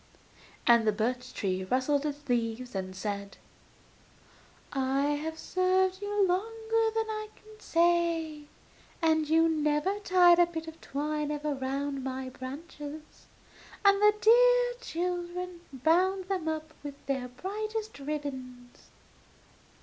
And the birch rustled its leaves, and said: 'I have served you longer than I can say, and you never tied a bit of twine even round my branches; and the dear children bound them up with their brightest ribbons.